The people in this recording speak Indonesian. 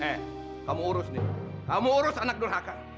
eh kamu urus nih kamu urus anak durhaka